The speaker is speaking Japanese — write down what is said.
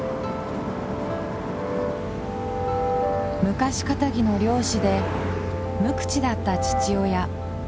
昔かたぎの漁師で無口だった父親。